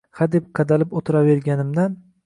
Hadeb qadalib o‘tiraverganimdan